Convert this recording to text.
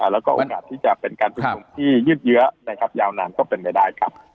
แล้วก็โอกาสที่จะเป็นการชุมนุมที่ยืดเยอะนะครับยาวนานก็เป็นไปได้ครับ